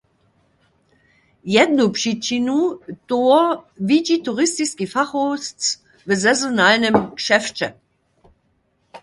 Jednu přičinu toho widźi turistiski fachowc w sezonalnym gšefće.